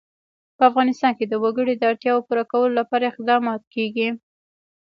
په افغانستان کې د وګړي د اړتیاوو پوره کولو لپاره اقدامات کېږي.